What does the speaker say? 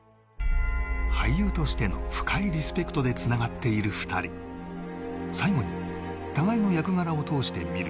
俳優としての深いリスペクトでつながっている２人最後に互いの役柄を通して見る